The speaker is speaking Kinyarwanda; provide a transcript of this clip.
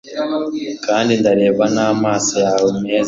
Kandi ndareba namaso yawe meza